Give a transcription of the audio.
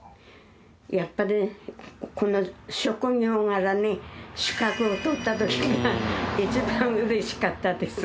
やっぱりこの職業柄ね資格を取った時が一番嬉しかったです。